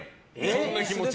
そんな気持ち。